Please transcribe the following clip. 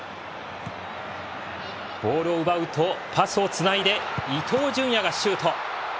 ボールを奪うとパスをつないで伊東純也がシュート。